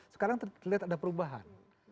sekarang terlihat ada perubahan